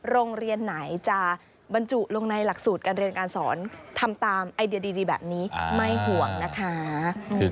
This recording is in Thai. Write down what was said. โรงเรียนไหนจะบรรจุลงในหลักสูตรการเรียนการสอนทำตามไอเดียดีแบบนี้ไม่ห่วงนะคะ